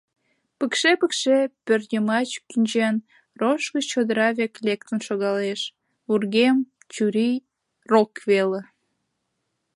Пыкше-пыкше пӧртйымач кӱнчен, рож гыч чодыра век лектын шогалеш, вургем, чурий — рок веле.